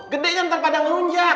gede nanti pada ngerunjak